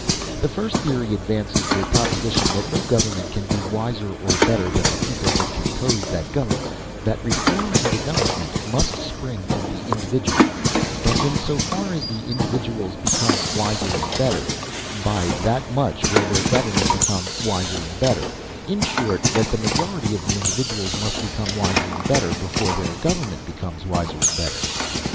The first theory advances the proposition that no government can be wiser or better than the people that compose that government; that reform and development must spring from the individual; that in so far as the individuals become wiser and better, by that much will their government become wiser and better; in short, that the majority of individuals must become wiser and better, before their government becomes wiser and better.